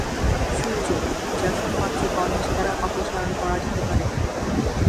সূর্য, যা শুধুমাত্র গণেশ দ্বারা অপসারণ করা যেতে পারে।